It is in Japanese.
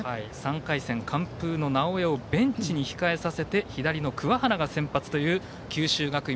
３回戦、完封の直江をベンチに控えさせて左の桑原が先発という九州学院。